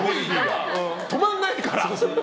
止まんないから。